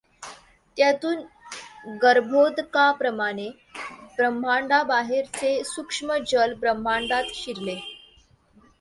त्यातून गर्भोदकाप्रमाणे ब्रह्मांडाबाहेरचे सूक्ष्म जल ब्रह्मांडात शिरले.